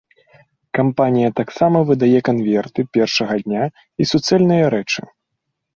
Кампанія таксама выдае канверты першага дня і суцэльныя рэчы.